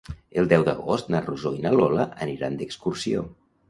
El deu d'agost na Rosó i na Lola aniran d'excursió.